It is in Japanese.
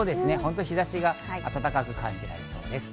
日差しが暖かく感じられそうです。